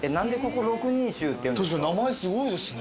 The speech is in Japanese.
確かに名前すごいですね。